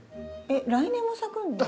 来年も咲くんですね。